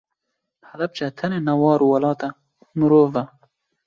Helepçe tenê ne war û welat e, mirov e.